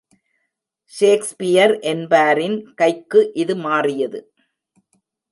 Shakespeare என்பாரின் கைக்கு இது மாறியது.